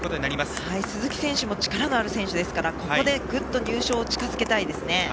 鈴木選手も力のある選手ですからここでぐっと入賞を近づけたいですね。